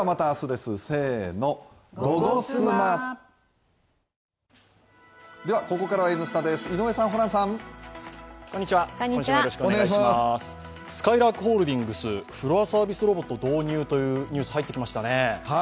すかいらーくホールディングス、フロアサービスロボット導入というニュース、入ってきましたね